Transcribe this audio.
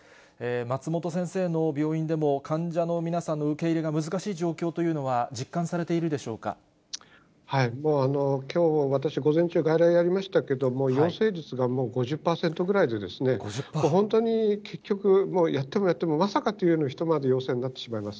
松本先生の病院でも、患者の皆さんの受け入れが難しい状況というのは実感されているでもう、きょう私、午前中、外来やりましたけれども、陽性率がもう５０％ぐらいでですね、本当に結局、やってもやっても、まさかというような人まで陽性になってしまいます。